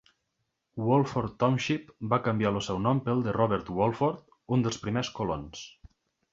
Wolford Township va canviar el seu nom pel de Robert Wolford, un dels primers colons.